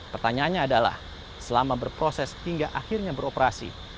pertanyaannya adalah selama berproses hingga akhirnya beroperasi